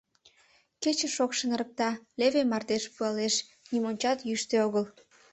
Кече шокшын ырыкта, леве мардеж пуалеш — нимончат йӱштӧ огыл.